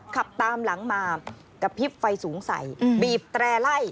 ขับตามหลังมากระพริบไฟสูงใสบีบแตร่ไล่